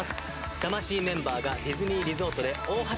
魂メンバーがディズニーリゾートで大はしゃぎ！